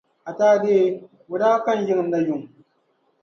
Ataa dee, o daa ka n yiŋa na, yuŋ.